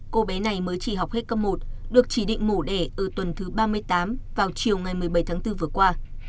cô bé này mới chỉ học hết cấp một được chỉ định mổ đẻ ở tuần thứ ba mươi tám vào chiều ngày một mươi bảy tháng bốn vừa qua